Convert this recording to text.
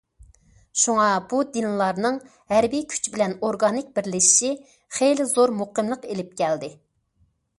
شۇڭا بۇ دىنلارنىڭ ھەربىي كۈچ بىلەن ئورگانىك بىرلىشىشى خېلى زور مۇقىملىق ئېلىپ كەلدى.